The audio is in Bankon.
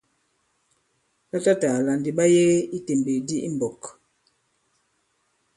Latatàla ndi ɓa yege i tèmbèk di i mɓɔ̄k.